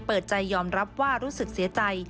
เปิดใจยอมรับว่ารู้สึกเสียใจ